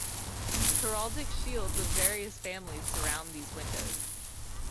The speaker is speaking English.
Heraldic shields of various families surround these windows.